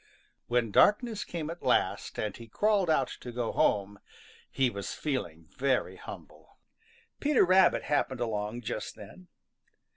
When darkness came at last, and he crawled out to go home, he was feeling very humble. Peter Rabbit happened along just then.